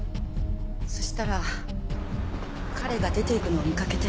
そしたら彼が出ていくのを見かけて。